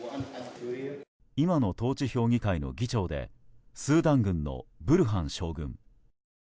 今の統治評議会の議長でスーダン軍のブルハン将軍。